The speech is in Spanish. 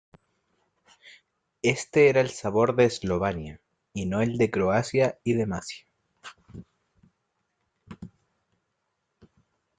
Este era el Sabor de Eslavonia, y no de Croacia y Dalmacia.